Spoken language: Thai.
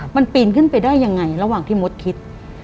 มันปีนขึ้นไปได้ยังไงระหว่างที่มดคิด